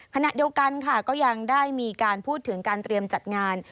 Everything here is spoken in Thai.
ขณะเดียวกันค่ะก็ยังได้มีการพูดถึงการเตรียมจัดงาน